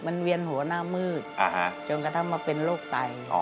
มันเวียนหัวหน้ามืดจนกระทั่งมาเป็นโรคไต